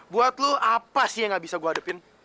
buat lo apa sih yang gak bisa gue hadapin